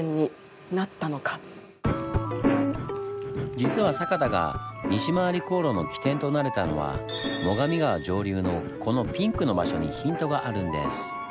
実は酒田が西廻り航路の起点となれたのは最上川上流のこのピンクの場所にヒントがあるんです。